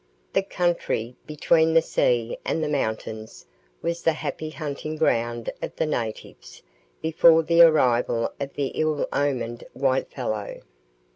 The country between the sea and the mountains was the happy hunting ground of the natives before the arrival of the ill omened white fellow.